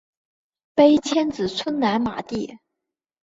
碑迁址村南马地。